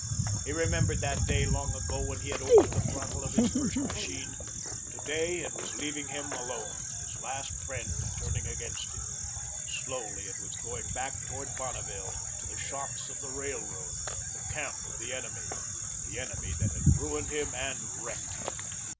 He remembered that day, long ago, when he had opened the throttle of his first machine. To day, it was leaving him alone, his last friend turning against him. Slowly it was going back towards Bonneville, to the shops of the Railroad, the camp of the enemy, that enemy that had ruined him and wrecked him.